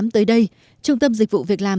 tới đây trung tâm dịch vụ việc làm